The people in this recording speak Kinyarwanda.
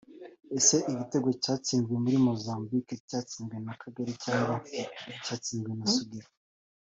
Ese igitego cyatsinzwe muri Mozambique cyatsinzwe na Kagere cyangwa cyatsinzwe na Sugira